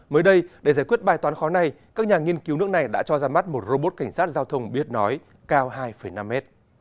mới đây để giải quyết bài toán khó này các nhà nghiên cứu nước này đã cho ra mắt một robot cảnh sát giao thông biết nói cao hai năm mét